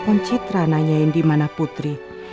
tepen citra nanyain dimana putri